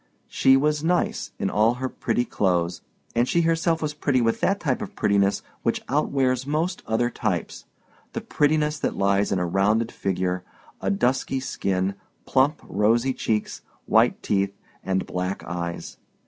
She was "nice" in all her pretty clothes, and she herself was pretty with that type of prettiness which outwears most other types—the prettiness that lies in a rounded figure, a dusky skin, plump, rosy cheeks, white teeth and black eyes.